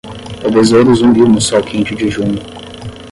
O besouro zumbiu no sol quente de junho.